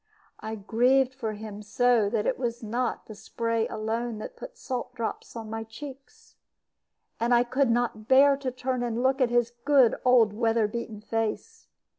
I grieved for him so that it was not the spray alone that put salt drops on my cheeks. And I could not bear to turn and look at his good old weather beaten face.